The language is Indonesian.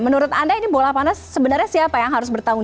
menurut anda ini bola panas sebenarnya siapa yang harus bertanggung